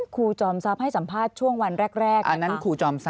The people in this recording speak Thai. คู่จอมทรัพย์ให้สัมภาษณ์ช่วงวันแรก